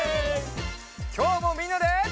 きょうもみんなで。